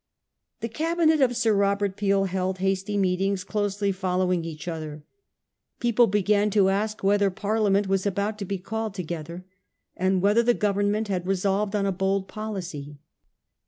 The Cabinet of Sir Robert Peel held hasty meet ings closely following each other. People began to ask whether Parliament was about to be called to gether, and whether the Government had resolved on a bold policy.